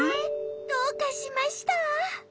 どうかしました？